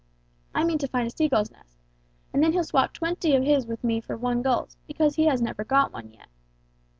I mean to find a sea gull's nest, and then he'll swap twenty of his with me for one gull's, because he has never got one yet.